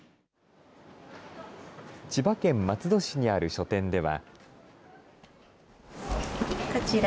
千葉県松戸市にある書店では。